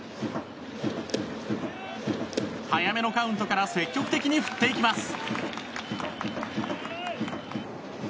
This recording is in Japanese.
早めのカウントから積極的に振っていきます。